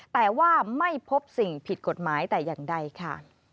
แต่ว่าไม่พบสิ่งผิดกฎหมายแต่อย่างใดค่ะ